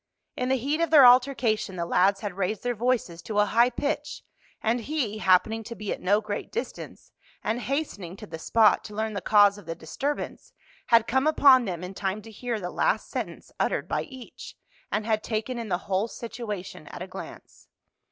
In the heat of their altercation the lads had raised their voices to a high pitch, and he, happening to be at no great distance, and hastening to the spot to learn the cause of the disturbance, had come upon them in time to hear the last sentence uttered by each, and had taken in the whole situation at a glance.